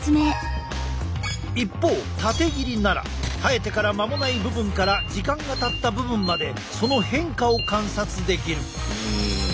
一方縦切りなら生えてから間もない部分から時間がたった部分までその変化を観察できる。